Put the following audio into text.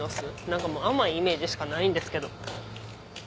何かもう甘いイメージしかないんですけど。